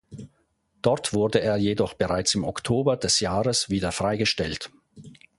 Dort wurde er jedoch bereits im Oktober des Jahres wieder freigestellt.